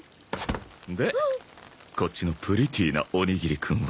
でこっちのプリティーなおにぎりくんは？